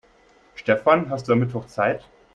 Stefan, hast du am Mittwoch Zeit?